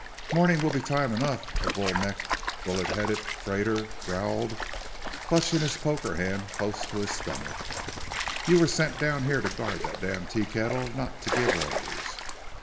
"Morning will be time enough," a bull necked, bullet headed freighter growled, clutching his poker hand close to his stomach. "You were sent down here to guard that damn teakettle, not to give orders.